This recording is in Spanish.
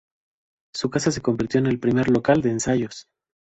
Su casa se convirtió en el primer local de ensayos.